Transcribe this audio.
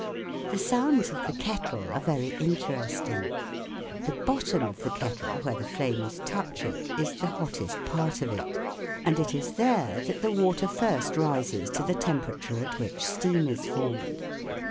The sounds of the kettle are very interesting. The bottom of the kettle where the flames touch it is the hottest part of it ; and it is there that SOUNDS OF THE TOWN 89 the water first rises to the temperature at which steam is formed.